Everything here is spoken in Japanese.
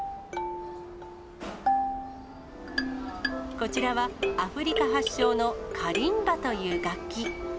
こちらは、アフリカ発祥のカリンバという楽器。